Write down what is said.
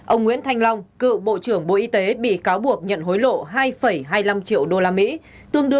ông nguyễn thanh long cựu bộ trưởng bộ y tế bị cáo buộc nhận hối lộ hai hai mươi năm triệu usd